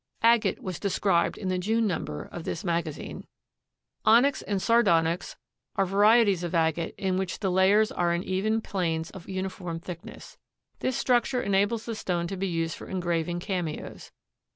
Agate was described in the June number of this magazine. Onyx and sardonyx are varieties of agate in which the layers are in even planes of uniform thickness. This structure enables the stone to be used for engraving cameos.